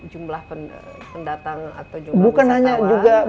jumlah pendatang atau jumlah wisatawan